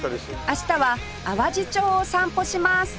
明日は淡路町を散歩します